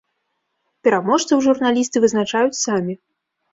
Пераможцаў журналісты вызначаюць самі.